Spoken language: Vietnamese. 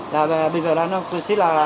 và nó bị tay nặng tay nặng cái kia